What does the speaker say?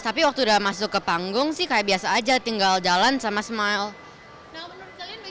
tapi waktu udah masuk ke panggung sih kayak biasa aja tinggal jalan sama smile